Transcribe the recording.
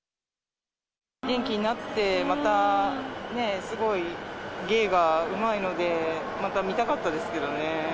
元気になって、また、すごい芸がうまいので、また見たかったですけどね。